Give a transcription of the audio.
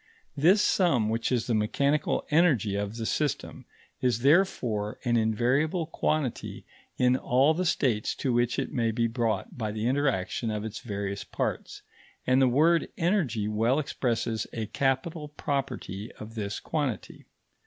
This sum, which is the mechanical energy of the system, is therefore an invariable quantity in all the states to which it may be brought by the interaction of its various parts, and the word energy well expresses a capital property of this quantity.